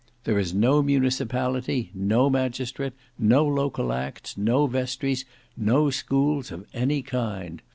There is no municipality, no magistrate, no local acts, no vestries, no schools of any kind.